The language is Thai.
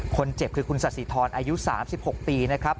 คนเจ็บคือคุณสาธิธรอายุ๓๖ปีนะครับ